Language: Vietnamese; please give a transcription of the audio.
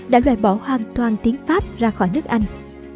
đã loại bỏ hoàn toàn tiếng pháp ra khỏi nước anh